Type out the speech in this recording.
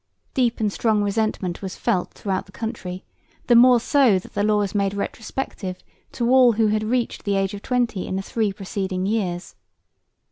Deep and strong resentment was felt throughout the country, the more so that the law was made retrospective to all who had reached the age of twenty in the three preceding years.